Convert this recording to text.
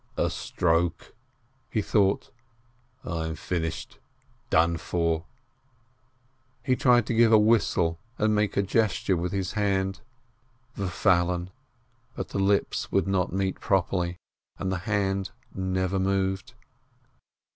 "A stroke !" he thought, "I am finished, done for !" He tried to give a whistle and make a gesture with his hand : "Verfallen !" but the lips would not meet properly, and the hand never moved.